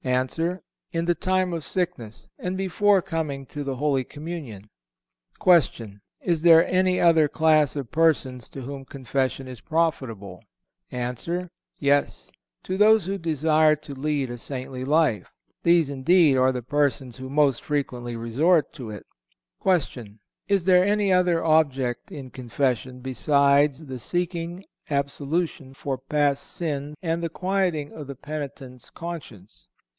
A. In the time of sickness, and before coming to the Holy Communion. Q. Is there any other class of persons to whom confession is profitable? A. Yes; to those who desire to lead a saintly life. These, indeed, are the persons who most frequently resort to it. Q. Is there any other object in confession, besides the seeking absolution for past sin and the quieting of the penitent's conscience?